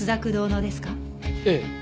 ええ。